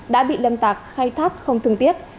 đã bị lâm tạc khai thác không thường tiết